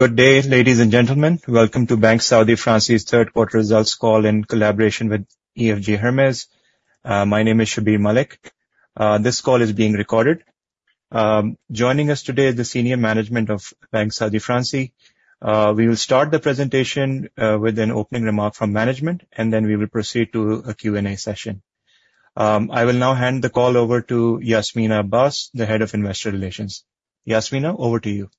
Good day, ladies and gentlemen. Welcome to Banque Saudi Fransi's third quarter results call in collaboration with EFG Hermes. My name is Shabib Malik. This call is being recorded. Joining us today is the senior management of Banque Saudi Fransi. We will start the presentation with an opening remark from management, then we will proceed to a Q&A session. I will now hand the call over to Yasminah Abbas, the Head of Investor Relations. Yasminah, over to you.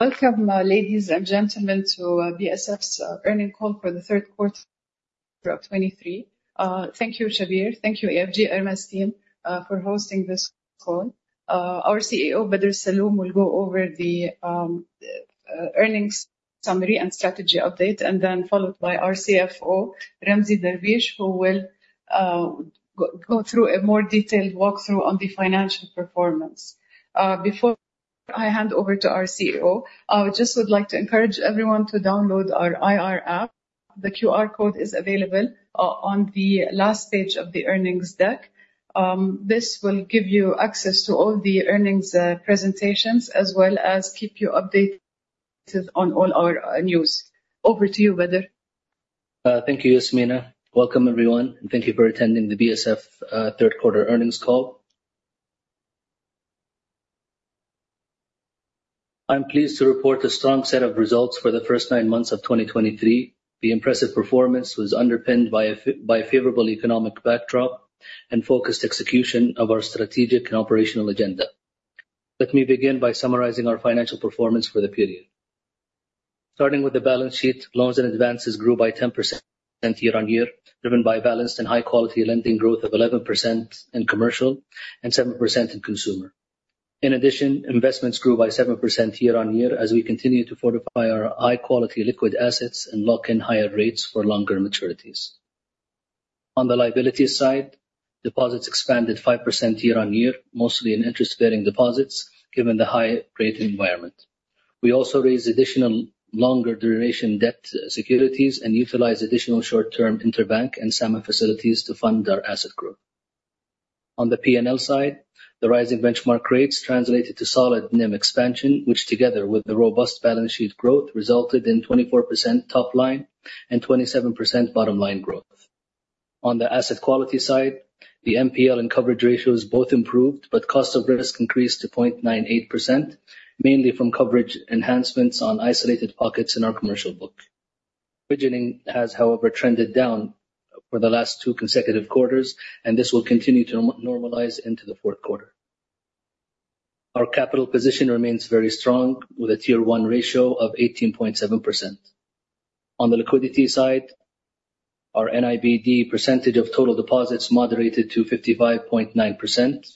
Welcome, ladies and gentlemen, to BSF's earnings call for the third quarter of 23. Thank you, Shabib. Thank you, EFG Hermes team, for hosting this call. Our CEO, Bader Alsalloom, will go over the earnings summary and strategy update, followed by our CFO, Ramzy Darwish, who will go through a more detailed walkthrough on the financial performance. Before I hand over to our CEO, I just would like to encourage everyone to download our IR app. The QR code is available on the last page of the earnings deck. This will give you access to all the earnings presentations as well as keep you updated on all our news. Over to you, Bader. Thank you, Yasminah. Welcome, everyone, and thank you for attending the BSF third quarter earnings call. I'm pleased to report a strong set of results for the first nine months of 2023. The impressive performance was underpinned by a favorable economic backdrop and focused execution of our strategic and operational agenda. Let me begin by summarizing our financial performance for the period. Starting with the balance sheet, loans and advances grew by 10% year-on-year, driven by balanced and high-quality lending growth of 11% in commercial and 7% in consumer. In addition, investments grew by 7% year-on-year as we continue to fortify our high-quality liquid assets and lock in higher rates for longer maturities. On the liability side, deposits expanded 5% year-on-year, mostly in interest-bearing deposits, given the high rate environment. We also raised additional longer duration debt securities and utilized additional short-term interbank and SAMA facilities to fund our asset growth. On the P&L side, the rise in benchmark rates translated to solid NIM expansion, which together with the robust balance sheet growth, resulted in 24% top line and 27% bottom line growth. On the asset quality side, the NPL and coverage ratios both improved, cost of risk increased to 0.98%, mainly from coverage enhancements on isolated pockets in our commercial book. Provisioning has, however, trended down for the last two consecutive quarters, this will continue to normalize into the fourth quarter. Our capital position remains very strong, with a Tier 1 ratio of 18.7%. On the liquidity side, our NIBD percentage of total deposits moderated to 55.9%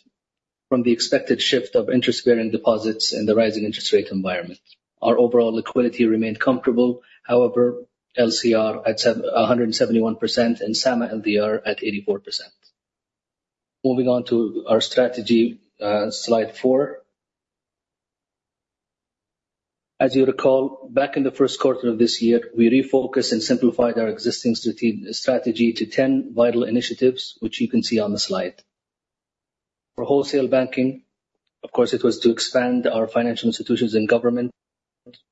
from the expected shift of Interest-Bearing Deposits in the rising interest rate environment. Our overall liquidity remained comfortable. However, LCR at 171% and SAMA LDR at 84%. Moving on to our strategy, slide four. As you recall, back in the first quarter of this year, we refocused and simplified our existing strategy to 10 vital initiatives, which you can see on the slide. For Wholesale Banking, of course it was to expand our Financial Institutions and Government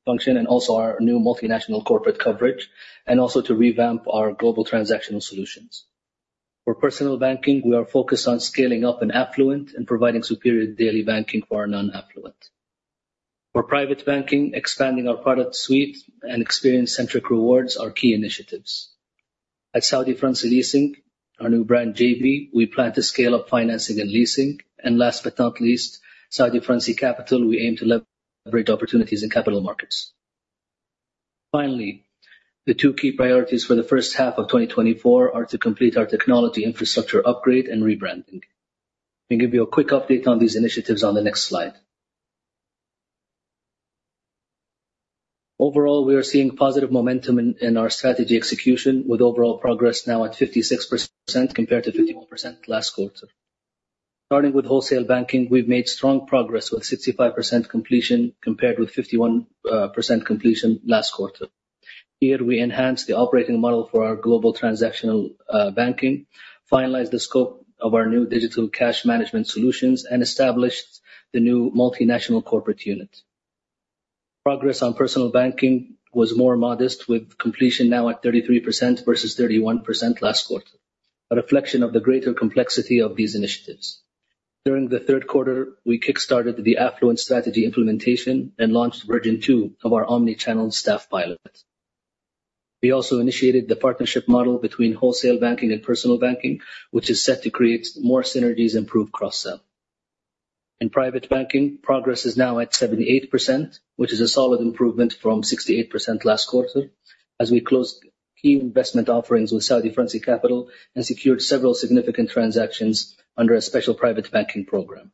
function, and also our new Multinational Corporate coverage, and also to revamp our Global Transactional Solutions. For Personal Banking, we are focused on scaling up in affluent and providing superior daily banking for our non-affluent. For Private Banking, expanding our product suite and experience-centric rewards are key initiatives. At Saudi Fransi Leasing, our new brand, JB, we plan to scale up financing and leasing. Last but not least, Saudi Fransi Capital, we aim to leverage opportunities in capital markets. Finally, the 2 key priorities for the first half of 2024 are to complete our technology infrastructure upgrade and rebranding. Let me give you a quick update on these initiatives on the next slide. Overall, we are seeing positive momentum in our strategy execution, with overall progress now at 56% compared to 51% last quarter. Starting with Wholesale Banking, we've made strong progress with 65% completion compared with 51% completion last quarter. Here, we enhanced the operating model for our Global Transactional Banking, finalized the scope of our new Digital Cash Management Solutions, and established the new Multinational Corporate Unit. Progress on Personal Banking was more modest, with completion now at 33% versus 31% last quarter, a reflection of the greater complexity of these initiatives. During the third quarter, we kickstarted the affluent strategy implementation and launched version 2 of our omni-channel staff pilot. We also initiated the partnership model between Wholesale Banking and Personal Banking, which is set to create more synergies and improve cross-sell. In Private Banking, progress is now at 78%, which is a solid improvement from 68% last quarter as we closed key investment offerings with Saudi Fransi Capital and secured several significant transactions under a special Private Banking program.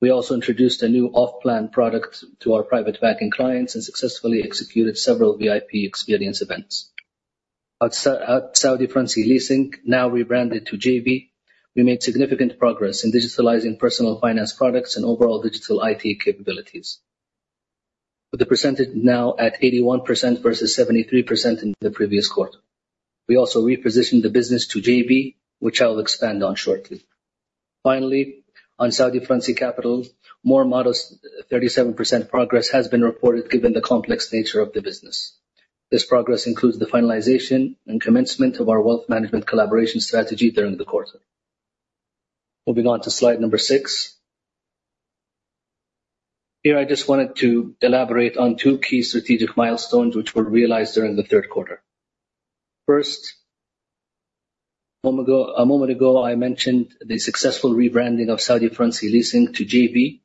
We also introduced a new off-plan product to our Private Banking clients and successfully executed several VIP experience events. At Saudi Fransi Leasing, now rebranded to JB, we made significant progress in digitalizing Personal Finance products and overall digital IT capabilities, with the percentage now at 81% versus 73% in the previous quarter. We also repositioned the business to JB, which I'll expand on shortly. Finally, on Saudi Fransi Capital, more modest 37% progress has been reported given the complex nature of the business. This progress includes the finalization and commencement of our Wealth Management collaboration strategy during the quarter. Moving on to slide number six. Here, I just wanted to elaborate on 2 key strategic milestones which were realized during the third quarter. First, a moment ago, I mentioned the successful rebranding of Saudi Fransi Leasing to JB,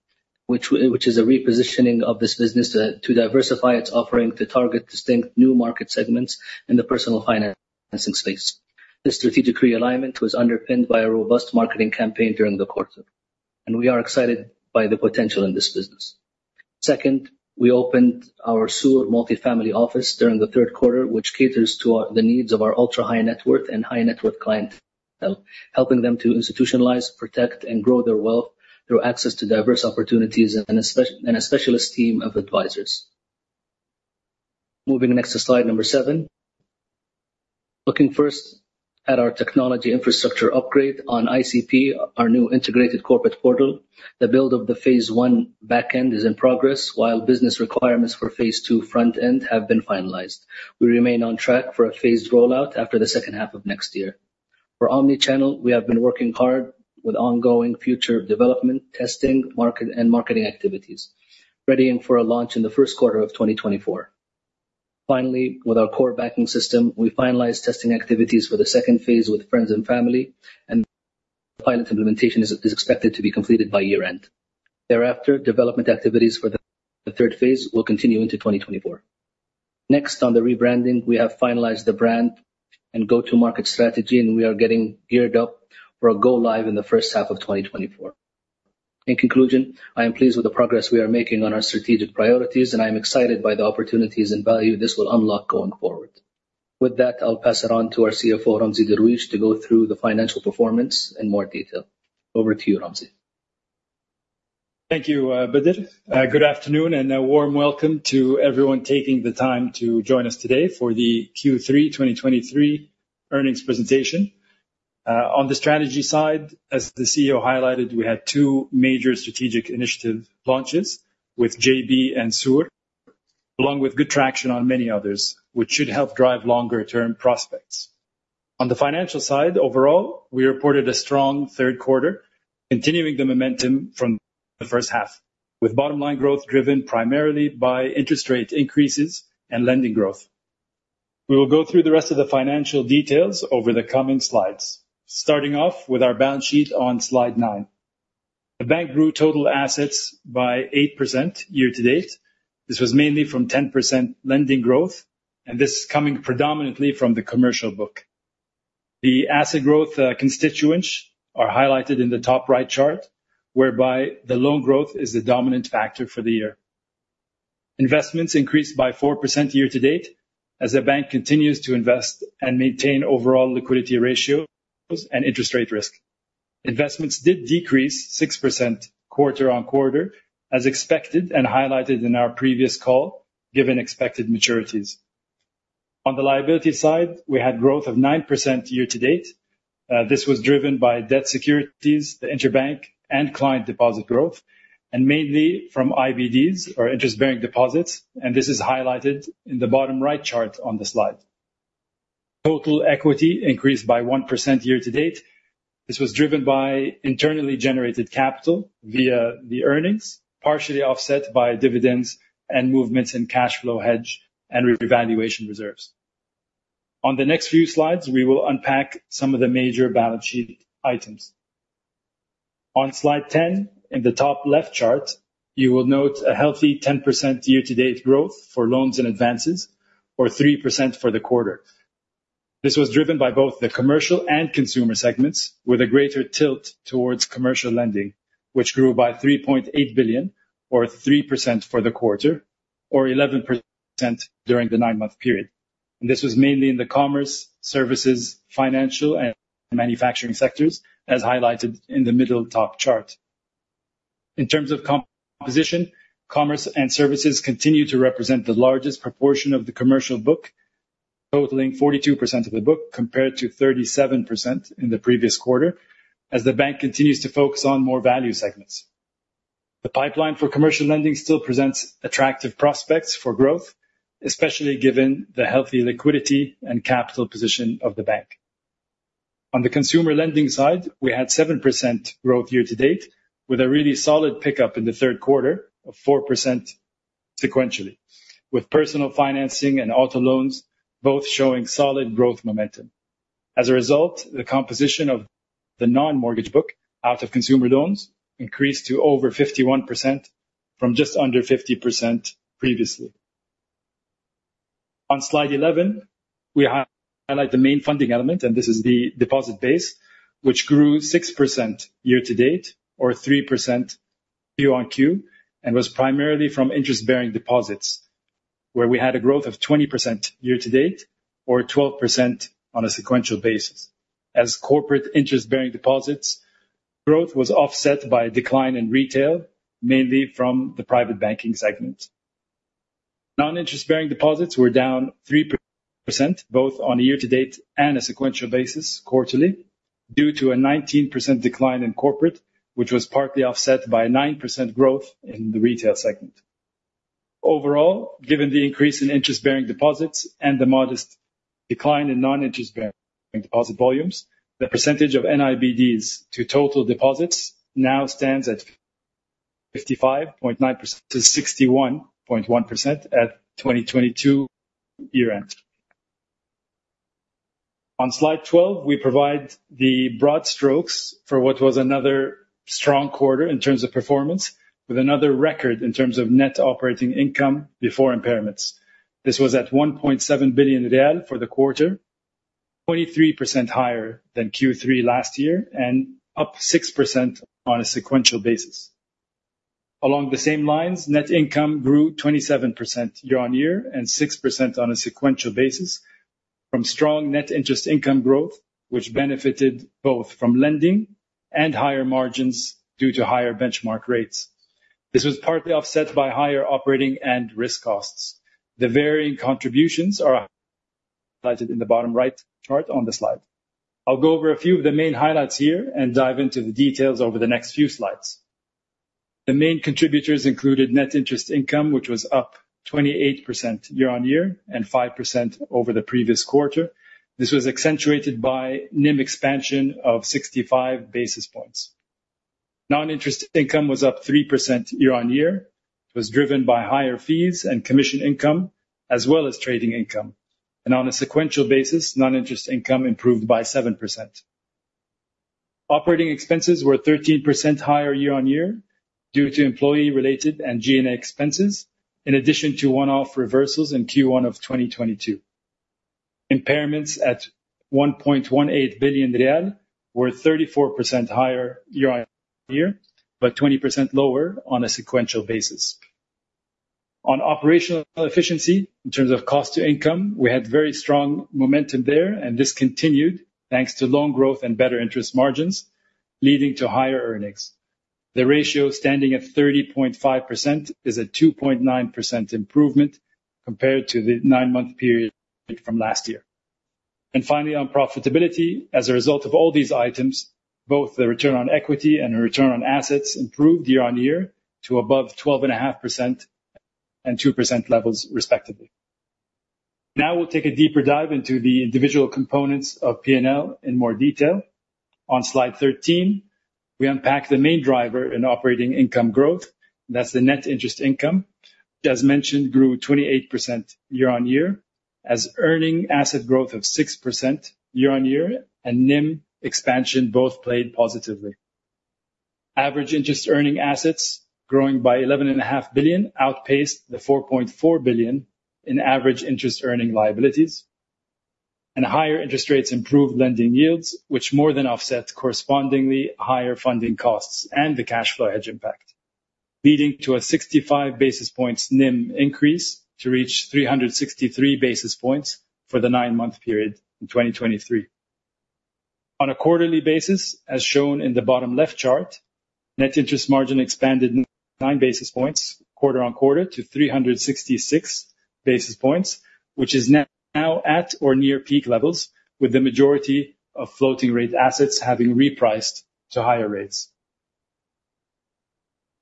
which is a repositioning of this business to diversify its offering to target distinct new market segments in the Personal Financing space. This strategic realignment was underpinned by a robust marketing campaign during the quarter. We are excited by the potential in this business. Second, we opened our سور multifamily office during the third quarter, which caters to the needs of our ultra-high net worth and high net worth clientele, helping them to institutionalize, protect, and grow their wealth through access to diverse opportunities and a specialist team of advisors. Moving next to slide seven. Looking first at our technology infrastructure upgrade on ICP, our new integrated corporate portal. The build of the phase 1 back end is in progress, while business requirements for the phase 2 front end have been finalized. We remain on track for a phased rollout after the second half of next year. For omni-channel, we have been working hard with ongoing future development, testing, and marketing activities, readying for a launch in the first quarter of 2024. Finally, with our core banking system, we finalized testing activities for the phase 2 with friends and family. Pilot implementation is expected to be completed by year-end. Thereafter, development activities for the phase 3 will continue into 2024. Next, on the rebranding, we have finalized the brand and go-to-market strategy. We are getting geared up for a go live in the first half of 2024. In conclusion, I am pleased with the progress we are making on our strategic priorities. I am excited by the opportunities and value this will unlock going forward. With that, I'll pass it on to our CFO, Ramzy Darwish, to go through the financial performance in more detail. Over to you, Ramzy. Thank you, Bader. Good afternoon. A warm welcome to everyone taking the time to join us today for the Q3 2023 earnings presentation. On the strategy side, as the CEO highlighted, we had two major strategic initiative launches with JB and سور, along with good traction on many others, which should help drive longer-term prospects. On the financial side, overall, we reported a strong third quarter, continuing the momentum from the first half, with bottom line growth driven primarily by interest rate increases and lending growth. We will go through the rest of the financial details over the coming slides. Starting off with our balance sheet on slide nine. The bank grew total assets by 8% year to date. This was mainly from 10% lending growth. This is coming predominantly from the commercial book. The asset growth constituents are highlighted in the top right chart, whereby the loan growth is the dominant factor for the year. Investments increased by 4% year to date as the bank continues to invest and maintain overall liquidity ratios and interest rate risk. Investments did decrease 6% quarter-on-quarter as expected. Highlighted in our previous call, given expected maturities. On the liability side, we had growth of 9% year to date. This was driven by debt securities, the interbank, client deposit growth. Mainly from IBDs or Interest-Bearing Deposits. This is highlighted in the bottom right chart on the slide. Total equity increased by 1% year to date. This was driven by internally generated capital via the earnings, partially offset by dividends and movements in cash flow hedge and revaluation reserves. On the next few slides, we will unpack some of the major balance sheet items. On slide 10, in the top left chart, you will note a healthy 10% year-to-date growth for loans and advances, or 3% for the quarter. This was driven by both the commercial and consumer segments with a greater tilt towards commercial lending, which grew by 3.8 billion or 3% for the quarter or 11% during the nine-month period. This was mainly in the commerce, services, financial, and manufacturing sectors, as highlighted in the middle top chart. In terms of composition, commerce and services continue to represent the largest proportion of the commercial book, totaling 42% of the book, compared to 37% in the previous quarter, as the bank continues to focus on more value segments. The pipeline for commercial lending still presents attractive prospects for growth, especially given the healthy liquidity and capital position of the bank. On the consumer lending side, we had 7% growth year-to-date with a really solid pickup in the third quarter of 4% sequentially, with personal financing and auto loans both showing solid growth momentum. As a result, the composition of the non-mortgage book out of consumer loans increased to over 51% from just under 50% previously. On slide 11, we highlight the main funding element. This is the deposit base, which grew 6% year-to-date or 3% Q on Q, and was primarily from interest-bearing deposits, where we had a growth of 20% year-to-date or 12% on a sequential basis. Corporate interest-bearing deposits growth was offset by a decline in retail, mainly from the private banking segment. Non-interest-bearing deposits were down 3%, both on a year-to-date and a sequential basis quarterly, due to a 19% decline in corporate, which was partly offset by a 9% growth in the retail segment. Overall, given the increase in interest-bearing deposits and the modest decline in non-interest-bearing deposit volumes, the percentage of NIBDs to total deposits now stands at 55.9%-61.1% at 2022 year-end. On slide 12, we provide the broad strokes for what was another strong quarter in terms of performance, with another record in terms of net operating income before impairments. This was at SAR 1.7 billion for the quarter, 23% higher than Q3 last year, up 6% on a sequential basis. Along the same lines, net income grew 27% year-on-year and 6% on a sequential basis from strong net interest income growth, which benefited both from lending and higher margins due to higher benchmark rates. This was partly offset by higher operating and risk costs. The varying contributions are highlighted in the bottom right chart on the slide. I'll go over a few of the main highlights here and dive into the details over the next few slides. The main contributors included net interest income, which was up 28% year-on-year and 5% over the previous quarter. This was accentuated by NIM expansion of 65 basis points. Non-interest income was up 3% year-on-year. It was driven by higher fees and commission income, as well as trading income. On a sequential basis, non-interest income improved by 7%. Operating expenses were 13% higher year-on-year due to employee related and G&A expenses, in addition to one-off reversals in Q1 of 2022. Impairments at SAR 1.18 billion were 34% higher year-on-year, but 20% lower on a sequential basis. On operational efficiency, in terms of cost to income, we had very strong momentum there, and this continued thanks to loan growth and better interest margins, leading to higher earnings. The ratio standing at 30.5% is a 2.9% improvement compared to the nine-month period from last year. Finally, on profitability, as a result of all these items, both the return on equity and the return on assets improved year-on-year to above 12.5% and 2% levels respectively. Now we'll take a deeper dive into the individual components of P&L in more detail. On slide 13, we unpack the main driver in operating income growth. That's the net interest income. As mentioned, grew 28% year-on-year, as earning asset growth of 6% year-on-year and NIM expansion both played positively. Average interest earning assets growing by 11.5 billion outpaced the 4.4 billion in average interest earning liabilities, and higher interest rates improved lending yields, which more than offset correspondingly higher funding costs and the cash flow hedge impact, leading to a 65 basis points NIM increase to reach 363 basis points for the nine-month period in 2023. On a quarterly basis, as shown in the bottom left chart, net interest margin expanded nine basis points quarter-on-quarter to 366 basis points, which is now at or near peak levels, with the majority of floating rate assets having repriced to higher rates.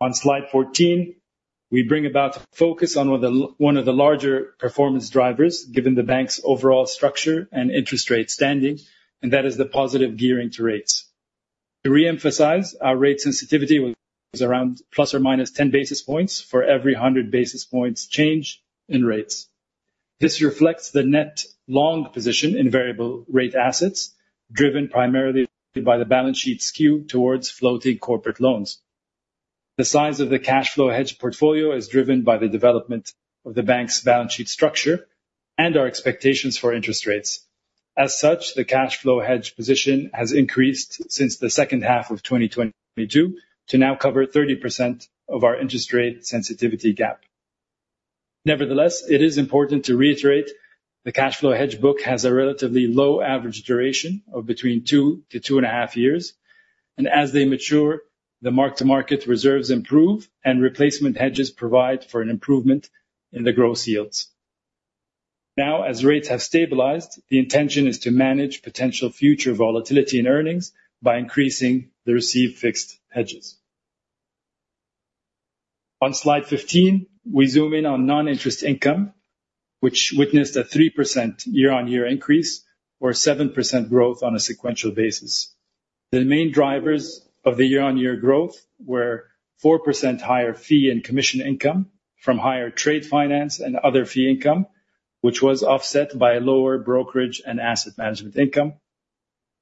On slide 14, we bring about focus on one of the larger performance drivers, given the bank's overall structure and interest rate standing, and that is the positive gearing to rates. To reemphasize, our rate sensitivity was around ±10 basis points for every 100 basis points change in rates. This reflects the net long position in variable rate assets, driven primarily by the balance sheet skew towards floating corporate loans. The size of the cash flow hedge portfolio is driven by the development of the bank's balance sheet structure and our expectations for interest rates. As such, the cash flow hedge position has increased since the second half of 2022 to now cover 30% of our interest rate sensitivity gap. Nevertheless, it is important to reiterate the cash flow hedge book has a relatively low average duration of between two to two and a half years. As they mature, the mark to market reserves improve and replacement hedges provide for an improvement in the gross yields. Now, as rates have stabilized, the intention is to manage potential future volatility in earnings by increasing the received fixed hedges. On slide 15, we zoom in on non-interest income, which witnessed a 3% year-on-year increase or 7% growth on a sequential basis. The main drivers of the year-on-year growth were 4% higher fee and commission income from higher trade finance and other fee income, which was offset by lower brokerage and asset management income.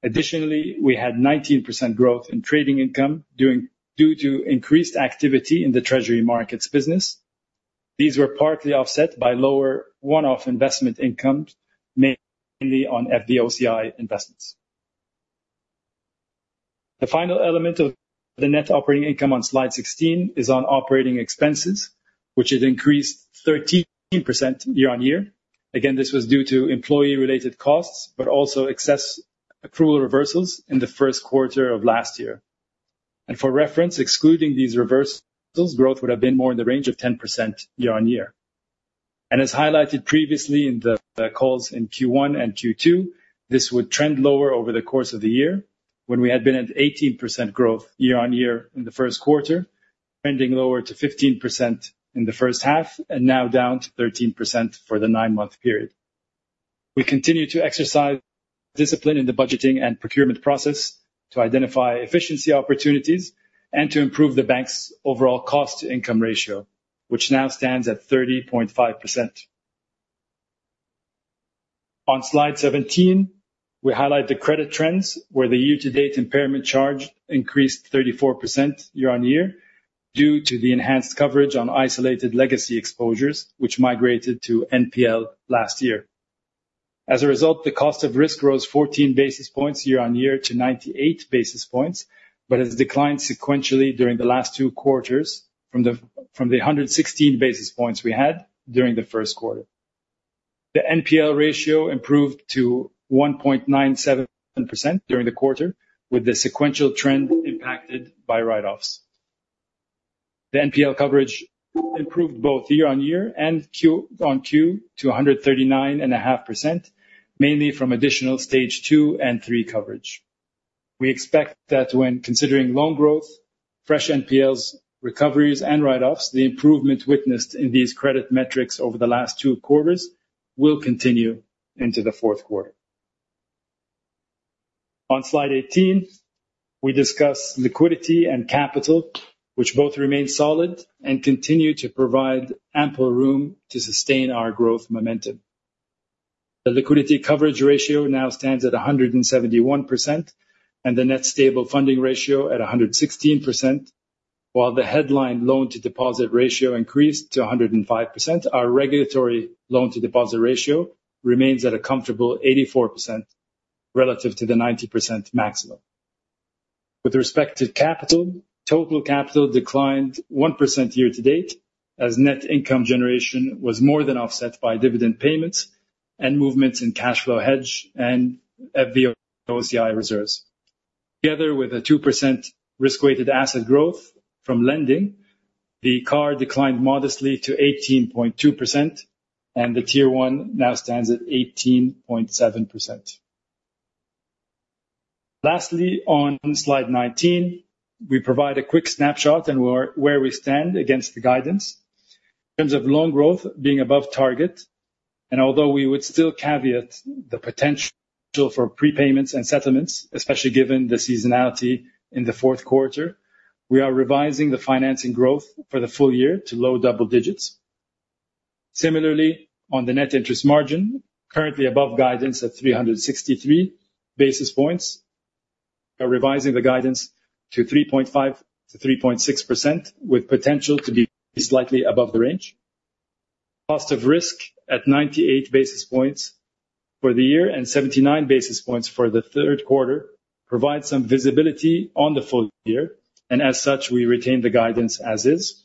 Additionally, we had 19% growth in trading income due to increased activity in the treasury markets business. These were partly offset by lower one-off investment income, mainly on FVOCI investments. The final element of the net operating income on slide 16 is on operating expenses, which had increased 13% year-on-year. Again, this was due to employee related costs, but also excess accrual reversals in the first quarter of last year. For reference, excluding these reversals, growth would have been more in the range of 10% year-on-year. As highlighted previously in the calls in Q1 and Q2, this would trend lower over the course of the year, when we had been at 18% growth year-on-year in the first quarter, trending lower to 15% in the first half, and now down to 13% for the nine-month period. We continue to exercise discipline in the budgeting and procurement process to identify efficiency opportunities and to improve the bank's overall cost-to-income ratio, which now stands at 30.5%. On slide 17, we highlight the credit trends, where the year-to-date impairment charge increased 34% year-on-year due to the enhanced coverage on isolated legacy exposures, which migrated to NPL last year. As a result, the cost of risk rose 14 basis points year-on-year to 98 basis points, but has declined sequentially during the last two quarters from the 116 basis points we had during the first quarter. The NPL ratio improved to 1.97% during the quarter, with the sequential trend impacted by write-offs. The NPL coverage improved both year-on-year and Q-on-Q to 139.5%, mainly from additional stage 2 and 3 coverage. We expect that when considering loan growth, fresh NPLs, recoveries, and write-offs, the improvement witnessed in these credit metrics over the last two quarters will continue into the fourth quarter. On slide 18, we discuss liquidity and capital, which both remain solid and continue to provide ample room to sustain our growth momentum. The liquidity coverage ratio now stands at 171%, and the net stable funding ratio at 116%, while the headline loan-to-deposit ratio increased to 105%, our regulatory loan-to-deposit ratio remains at a comfortable 84% relative to the 90% maximum. With respect to capital, total capital declined 1% year-to-date as net income generation was more than offset by dividend payments and movements in cash flow hedge and FVOCI reserves. Together with a 2% risk-weighted asset growth from lending, the CAR declined modestly to 18.2%, and the Tier 1 now stands at 18.7%. Lastly, on slide 19, we provide a quick snapshot on where we stand against the guidance. In terms of loan growth being above target, although we would still caveat the potential for prepayments and settlements, especially given the seasonality in the fourth quarter, we are revising the financing growth for the full year to low double digits. Similarly, on the net interest margin, currently above guidance at 363 basis points, we are revising the guidance to 3.5%-3.6%, with potential to be slightly above the range. Cost of risk at 98 basis points for the year and 79 basis points for the third quarter provide some visibility on the full year, as such, we retain the guidance as is.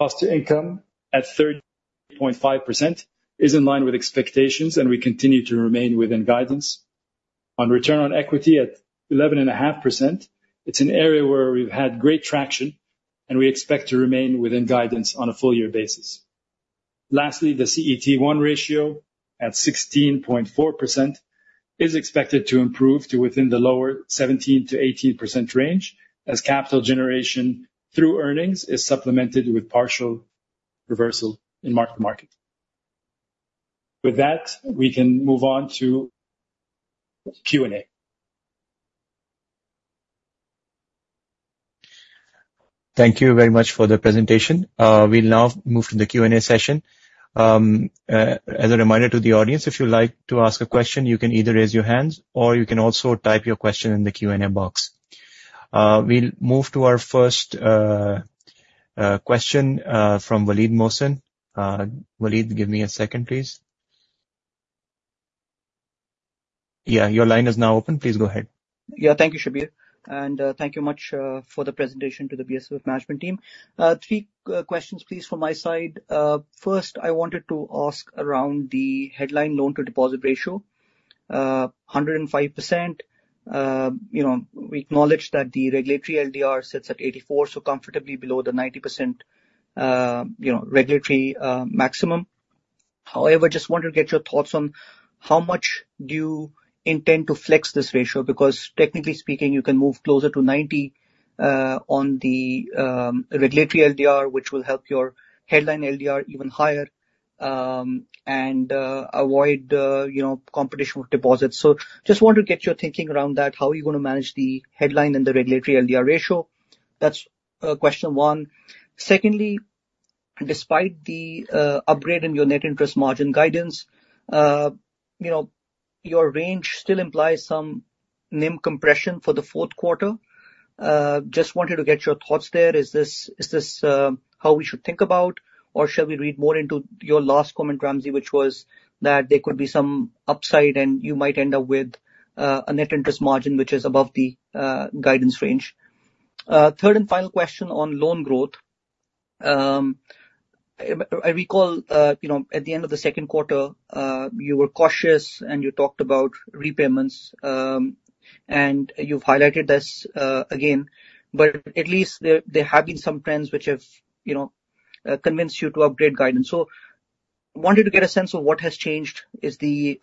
Cost to income at 30.5% is in line with expectations, and we continue to remain within guidance. On return on equity at 11.5%, it's an area where we've had great traction, and we expect to remain within guidance on a full-year basis. Lastly, the CET1 ratio at 16.4% is expected to improve to within the lower 17%-18% range as capital generation through earnings is supplemented with partial reversal in mark-to-market. With that, we can move on to Q&A. Thank you very much for the presentation. We'll now move to the Q&A session. As a reminder to the audience, if you'd like to ask a question, you can either raise your hands, or you can also type your question in the Q&A box. We'll move to our first question from Waleed Mohsin. Waleed, give me a second, please. Your line is now open. Please go ahead. Thank you, Shabir. Thank you much for the presentation to the BSF management team. Three questions, please, from my side. I wanted to ask around the headline loan-to-deposit ratio, 105%. We acknowledge that the regulatory LDR sits at 84, comfortably below the 90% regulatory maximum. Just wanted to get your thoughts on how much do you intend to flex this ratio, because technically speaking, you can move closer to 90 on the regulatory LDR, which will help your headline LDR even higher, and avoid competition with deposits. Just wanted to get your thinking around that. How are you going to manage the headline and the regulatory LDR ratio? That's question one. Secondly, despite the upgrade in your net interest margin guidance, your range still implies some NIM compression for the fourth quarter. Just wanted to get your thoughts there. Is this how we should think about, or shall we read more into your last comment, Ramzi, which was that there could be some upside and you might end up with a net interest margin which is above the guidance range. Third and final question on loan growth. I recall, at the end of the second quarter, you were cautious and you talked about repayments, and you've highlighted this again. At least there have been some trends which have convinced you to upgrade guidance. Wanted to get a sense of what has changed. Is the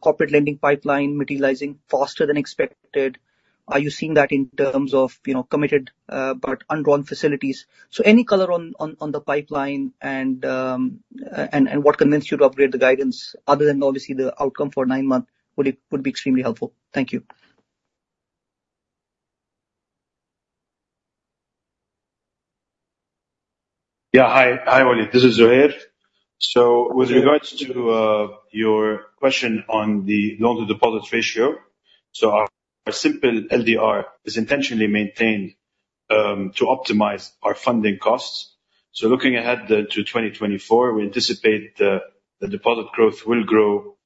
corporate lending pipeline materializing faster than expected? Are you seeing that in terms of committed, but undrawn facilities? Any color on the pipeline and what convinced you to upgrade the guidance other than obviously the outcome for nine months would be extremely helpful. Thank you. Hi, Waleed. This is Zuhair. With regards to your question on the loan-to-deposit ratio, our simple LDR is intentionally maintained to optimize our funding costs. Looking ahead to 2024, we anticipate the deposit growth will grow,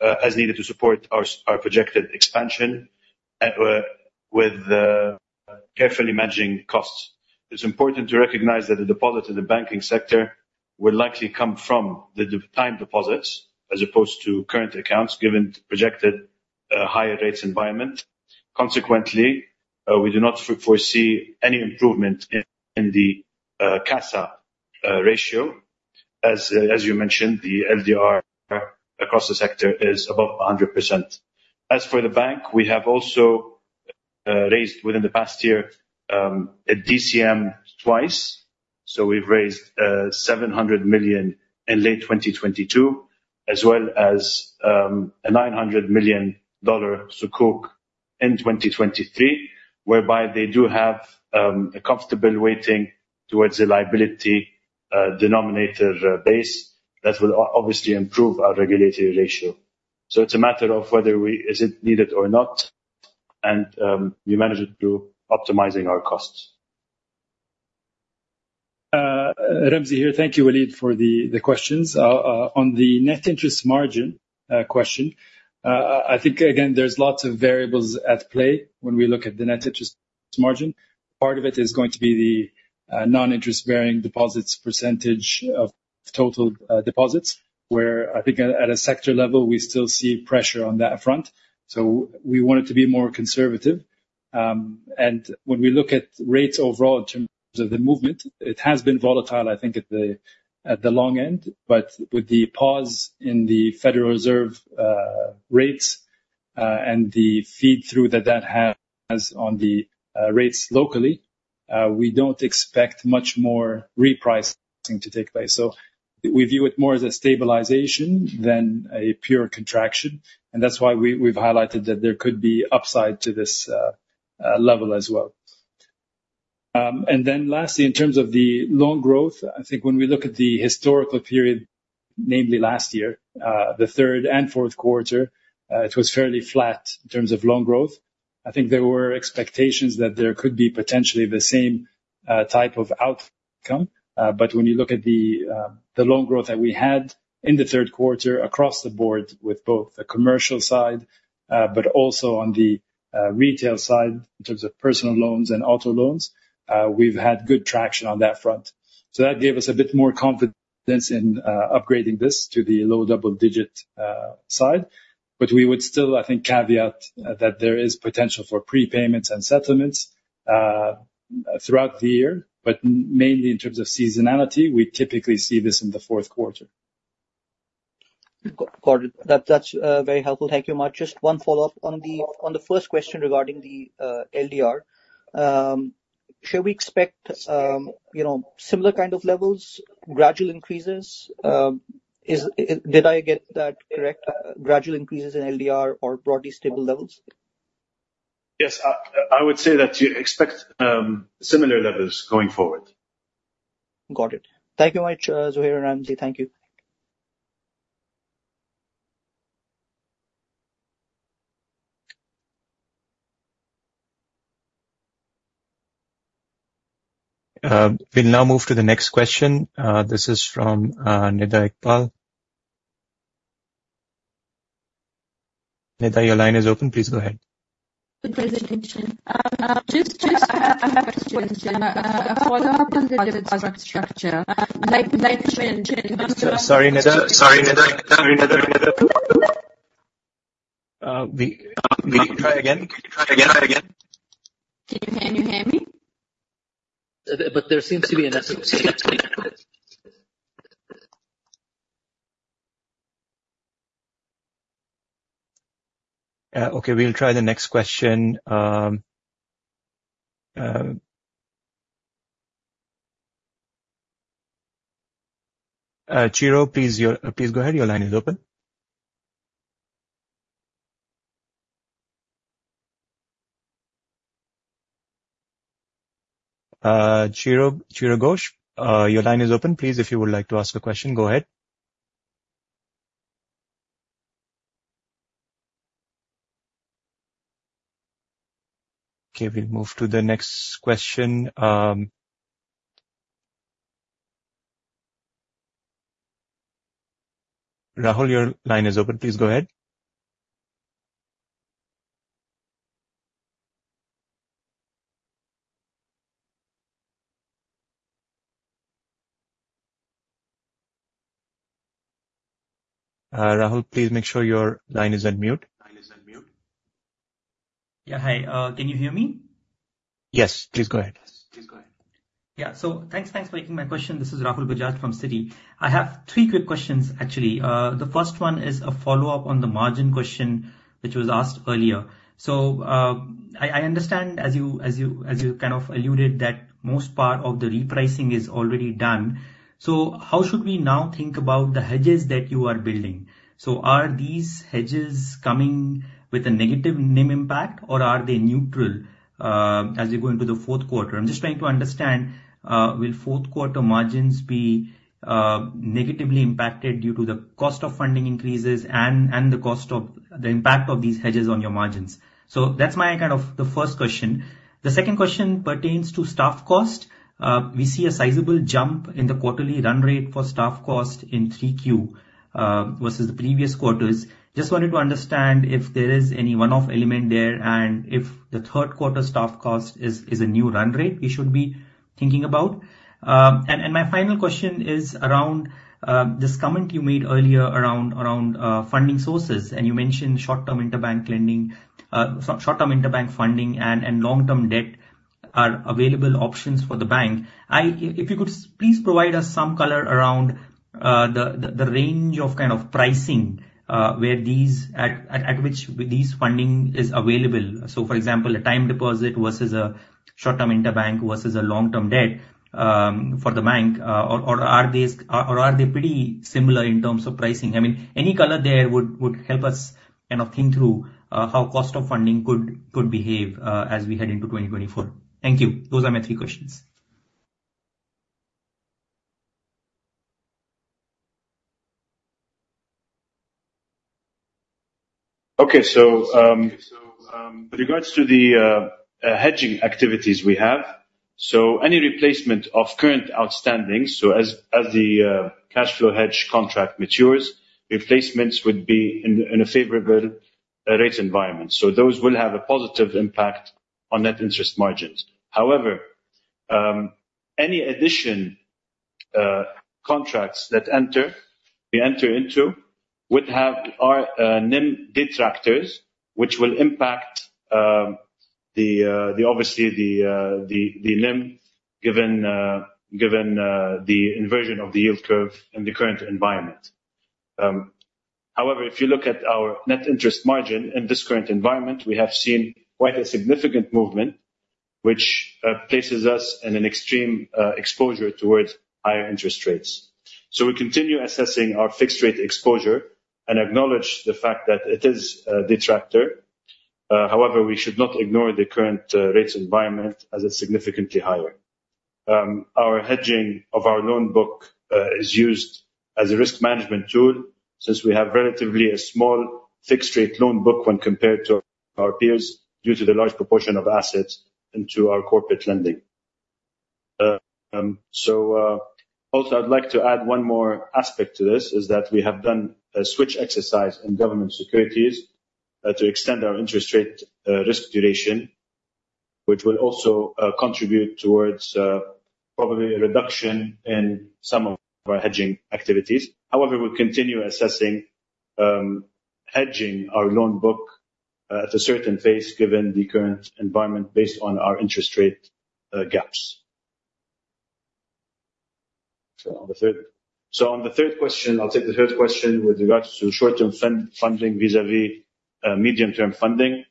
as needed to support our projected expansion with carefully managing costs. It's important to recognize that the deposit in the banking sector will likely come from the time deposits as opposed to current accounts, given the projected higher rates environment. Consequently, we do not foresee any improvement in the CASA ratio. As you mentioned, the LDR across the sector is above 100%. As for the bank, we have also raised within the past year, a DCM twice. We've raised $700 million in late 2022, as well as a $900 million Sukuk in 2023, whereby they do have a comfortable weighting towards the liability denominator base that will obviously improve our regulatory ratio. It's a matter of whether is it needed or not, and we manage it through optimizing our costs. Ramzy here. Thank you, Waleed, for the questions. On the net interest margin question, I think, again, there's lots of variables at play when we look at the net interest margin. Part of it is going to be the non-interest bearing deposits percentage of total deposits, where I think at a sector level, we still see pressure on that front. We want it to be more conservative. When we look at rates overall in terms of the movement, it has been volatile, I think at the long end, but with the pause in the Federal Reserve rates, and the feed through that that has on the rates locally, we don't expect much more repricing to take place. We view it more as a stabilization than a pure contraction, and that's why we've highlighted that there could be upside to this level as well. Lastly, in terms of the loan growth, I think when we look at the historical period, namely last year, the third and fourth quarter, it was fairly flat in terms of loan growth. I think there were expectations that there could be potentially the same type of outcome. When you look at the loan growth that we had in the third quarter across the board with both the commercial side, but also on the retail side in terms of personal loans and auto loans, we've had good traction on that front. That gave us a bit more confidence in upgrading this to the low double digit side. We would still, I think, caveat that there is potential for prepayments and settlements throughout the year, but mainly in terms of seasonality, we typically see this in the fourth quarter. Got it. That's very helpful. Thank you much. Just one follow-up on the first question regarding the LDR. Should we expect similar kind of levels, gradual increases? Did I get that correct? Gradual increases in LDR or broadly stable levels? Yes. I would say that you expect similar levels going forward. Got it. Thank you much, Zuhair and Ramzy. Thank you. We'll now move to the next question. This is from Nida Iqbal. Nida, your line is open. Please go ahead. Good presentation. Just I have a question. A follow-up on the deposit structure. Like you mentioned Sorry, Nida. Can you try again? Can you hear me? There seems to be an echo. Okay, we'll try the next question. Chiro, please go ahead. Your line is open. Chiro Ghosh, your line is open. Please, if you would like to ask a question, go ahead. Okay, we'll move to the next question. Rahul, your line is open. Please go ahead. Rahul, please make sure your line is unmute. Yeah. Hi. Can you hear me? Yes, please go ahead. Yeah. Thanks for taking my question. This is Rahul Bajaj from Citi. I have three quick questions, actually. The first one is a follow-up on the margin question, which was asked earlier. I understand as you kind of alluded that most part of the repricing is already done. How should we now think about the hedges that you are building? Are these hedges coming with a negative NIM impact, or are they neutral, as we go into the fourth quarter? I'm just trying to understand, will fourth quarter margins be negatively impacted due to the cost of funding increases and the impact of these hedges on your margins? That's my first question. The second question pertains to staff cost. We see a sizable jump in the quarterly run rate for staff cost in three Q, versus the previous quarters. Just wanted to understand if there is any one-off element there, and if the third quarter staff cost is a new run rate we should be thinking about. My final question is around this comment you made earlier around funding sources and you mentioned short-term interbank funding and long-term debt are available options for the bank. If you could please provide us some color around the range of kind of pricing, at which these funding is available. For example, a time deposit versus a short-term interbank versus a long-term debt, for the bank. Or are they pretty similar in terms of pricing? Any color there would help us kind of think through, how cost of funding could behave, as we head into 2024. Thank you. Those are my three questions. Okay. With regards to the hedging activities we have, any replacement of current outstanding, as the cashflow hedge contract matures, replacements would be in a favorable rate environment. Those will have a positive impact on net interest margins. However, any addition, contracts that we enter into would have our NIM detractors, which will impact obviously the NIM given the inversion of the yield curve in the current environment. However, if you look at our net interest margin in this current environment, we have seen quite a significant movement, which places us in an extreme exposure towards higher interest rates. We continue assessing our fixed rate exposure and acknowledge the fact that it is a detractor. However, we should not ignore the current rates environment as it's significantly higher. Our hedging of our loan book is used as a risk management tool since we have relatively a small fixed rate loan book when compared to our peers due to the large proportion of assets into our corporate lending. Also, I'd like to add one more aspect to this, is that we have done a switch exercise in government securities, to extend our interest rate risk duration, which will also contribute towards probably a reduction in some of our hedging activities. However, we'll continue assessing hedging our loan book at a certain phase given the current environment based on our interest rate gaps. On the third question, I'll take the third question with regards to short-term funding vis-à-vis medium-term funding.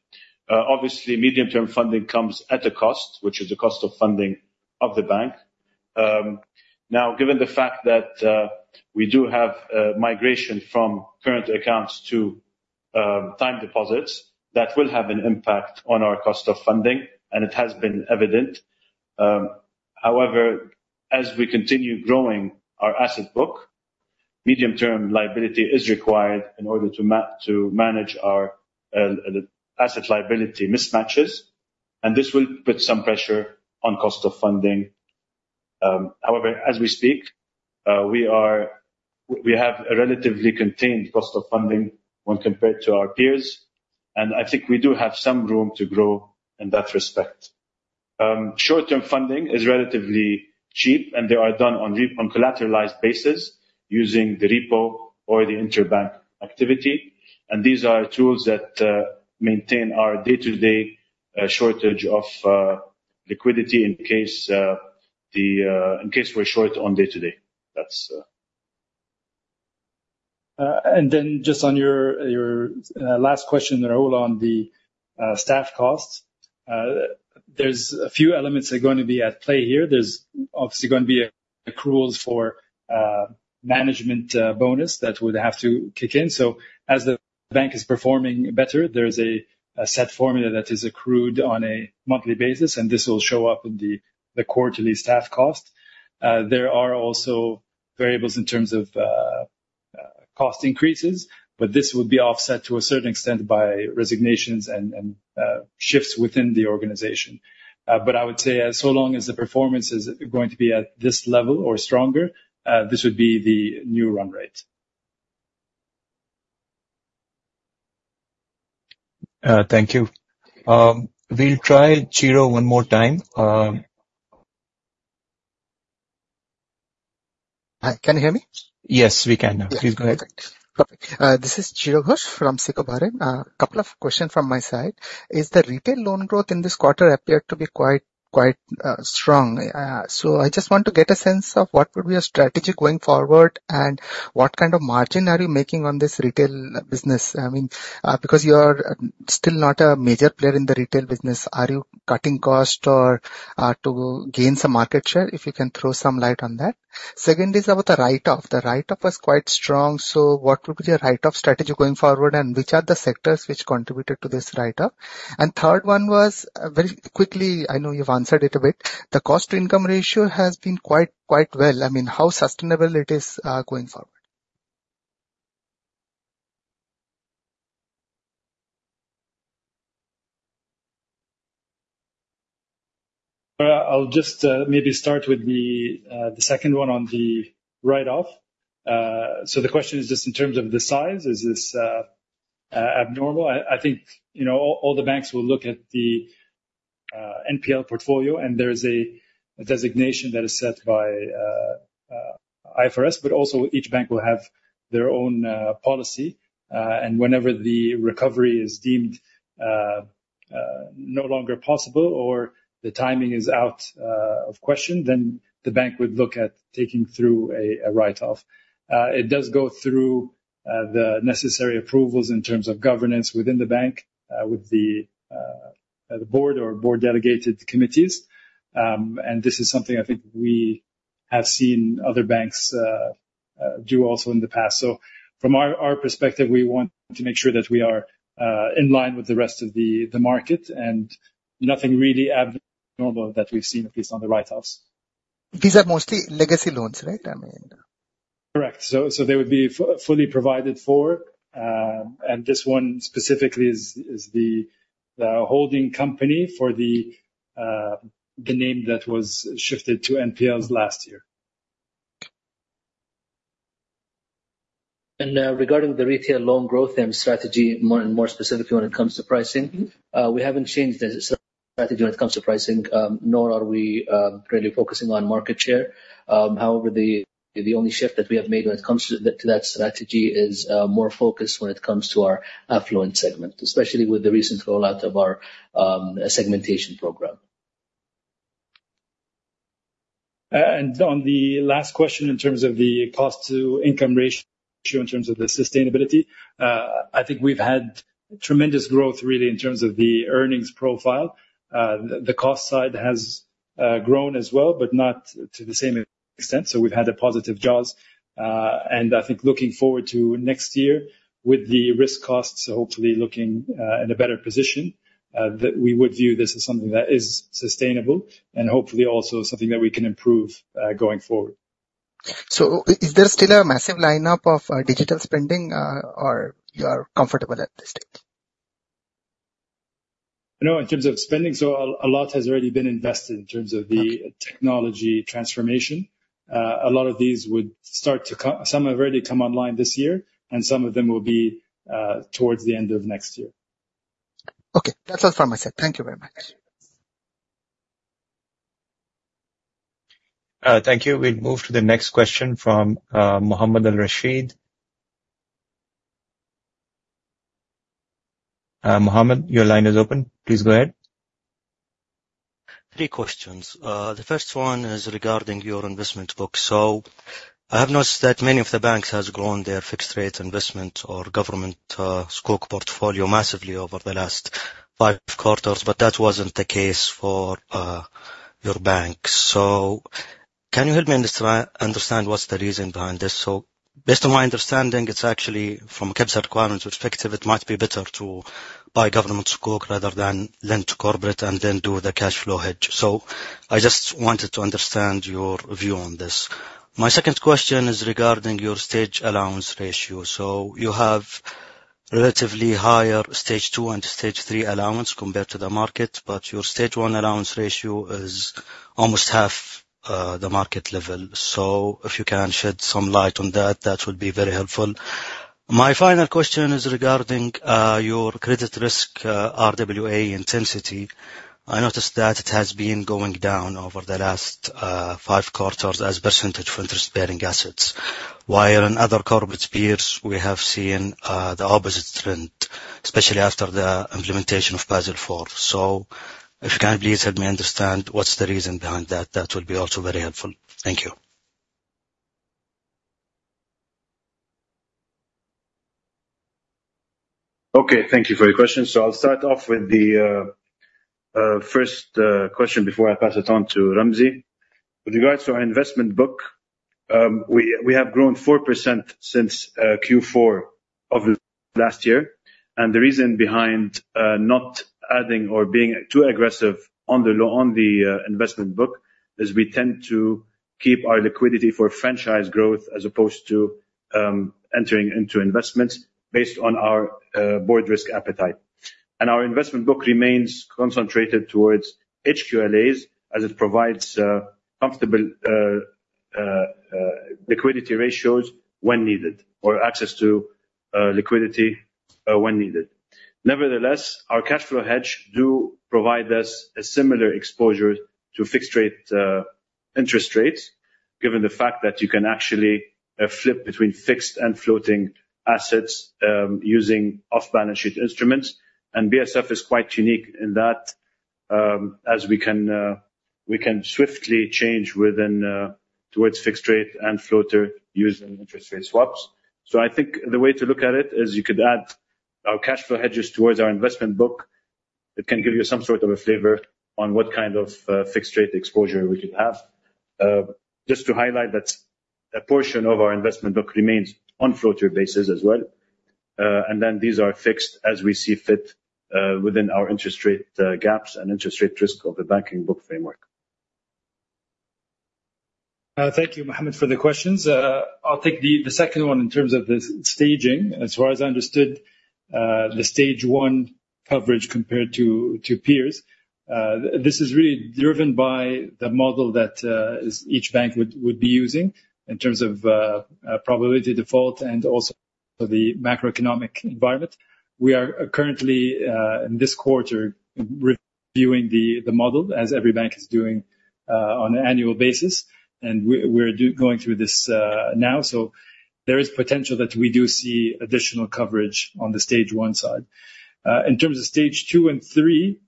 Obviously, medium-term funding comes at a cost, which is the cost of funding of the bank. Given the fact that we do have migration from current accounts to time deposits, that will have an impact on our cost of funding, and it has been evident. As we continue growing our asset book, medium-term liability is required in order to manage our asset liability mismatches, and this will put some pressure on cost of funding. As we speak, we have a relatively contained cost of funding when compared to our peers, and I think we do have some room to grow in that respect. Short-term funding is relatively cheap, and they are done on collateralized basis using the repo or the interbank activity. These are tools that maintain our day-to-day shortage of liquidity in case we're short on day-to-day. That's Just on your last question, Rahul, on the staff costs. There's a few elements that are going to be at play here. There's obviously going to be accruals for management bonus that would have to kick in. As the bank is performing better, there's a set formula that is accrued on a monthly basis, and this will show up in the quarterly staff cost. There are also variables in terms of cost increases, this would be offset to a certain extent by resignations and shifts within the organization. I would say so long as the performance is going to be at this level or stronger, this would be the new run rate. Thank you. We'll try Ciro one more time. Hi, can you hear me? Yes, we can now. Please go ahead. Perfect. This is Chiro Ghosh from SICO Capital. A couple of questions from my side. Is the retail loan growth in this quarter appeared to be quite strong. I just want to get a sense of what would be your strategy going forward, and what kind of margin are you making on this retail business. Because you are still not a major player in the retail business. Are you cutting cost or to gain some market share? If you can throw some light on that. Second is about the write-off. The write-off was quite strong, what would be your write-off strategy going forward, and which are the sectors which contributed to this write-off? Third one was, very quickly, I know you've answered it a bit. The cost to income ratio has been quite well. How sustainable it is going forward? I'll just maybe start with the second one on the write-off. The question is just in terms of the size, is this abnormal? I think all the banks will look at the NPL portfolio, and there's a designation that is set by IFRS, but also each bank will have their own policy. Whenever the recovery is deemed no longer possible or the timing is out of question, the bank would look at taking through a write-off. It does go through the necessary approvals in terms of governance within the bank, with the board or board delegated committees. This is something I think we have seen other banks do also in the past. From our perspective, we want to make sure that we are in line with the rest of the market and nothing really abnormal that we've seen, at least on the write-offs. These are mostly legacy loans, right? Correct. They would be fully provided for, and this one specifically is the holding company for the name that was shifted to NPLs last year. Regarding the retail loan growth and strategy, more specifically when it comes to pricing, we haven't changed as a strategy when it comes to pricing, nor are we really focusing on market share. However, the only shift that we have made when it comes to that strategy is more focused when it comes to our affluent segment, especially with the recent rollout of our segmentation program. On the last question, in terms of the cost to income ratio, in terms of the sustainability, I think we've had tremendous growth really in terms of the earnings profile. The cost side has grown as well, but not to the same extent, so we've had a positive jaws. I think looking forward to next year with the risk costs hopefully looking in a better position, that we would view this as something that is sustainable and hopefully also something that we can improve going forward. Is there still a massive lineup of digital spending, or you are comfortable at this stage? In terms of spending, a lot has already been invested in terms of the technology transformation. Some have already come online this year, and some of them will be towards the end of next year. Okay. That's all from my side. Thank you very much. Thank you. We'll move to the next question from Mohammed Al Rashid. Mohammed, your line is open. Please go ahead. Three questions. The first one is regarding your investment book. I have noticed that many of the banks has grown their fixed rate investment or government Sukuk portfolio massively over the last five quarters, but that wasn't the case for your bank. Can you help me understand what's the reason behind this? Based on my understanding, it's actually from a capital requirements perspective, it might be better to buy government Sukuk rather than lend to corporate and then do the cash flow hedge. I just wanted to understand your view on this. My second question is regarding your stage allowance ratio. You have relatively higher stage 2 and stage 3 allowance compared to the market, but your stage 1 allowance ratio is almost half the market level. If you can shed some light on that would be very helpful. My final question is regarding your credit risk RWA intensity. I noticed that it has been going down over the last five quarters as % for interest-bearing assets, while in other corporate peers, we have seen the opposite trend, especially after the implementation of Basel IV. If you can please help me understand what's the reason behind that will be also very helpful. Thank you. Okay, thank you for your question. I'll start off with the first question before I pass it on to Ramzy. With regards to our investment book, we have grown 4% since Q4 of last year. The reason behind not adding or being too aggressive on the investment book is we tend to keep our liquidity for franchise growth as opposed to entering into investments based on our board risk appetite. Our investment book remains concentrated towards HQLA as it provides a comfortable liquidity ratios when needed, or access to liquidity when needed. Nevertheless, our cash flow hedge do provide us a similar exposure to fixed rate, interest rates, given the fact that you can actually flip between fixed and floating assets using off-balance-sheet instruments. BSF is quite unique in that, as we can swiftly change towards fixed rate and floater using interest rate swaps. I think the way to look at it is you could add our cash flow hedges towards our investment book. It can give you some sort of a flavor on what kind of fixed rate exposure we could have. Just to highlight that a portion of our investment book remains on floater basis as well. Then these are fixed as we see fit within our interest rate gaps and interest rate risk of the banking book framework. Thank you, Mohammed, for the questions. I'll take the second one in terms of the staging. As far as I understood, the stage 1 coverage compared to peers, this is really driven by the model that each bank would be using in terms of probability default and also for the macroeconomic environment. We are currently, in this quarter, reviewing the model, as every bank is doing on an annual basis. We're going through this now. There is potential that we do see additional coverage on the stage 1 side. In terms of stage 2 and 3,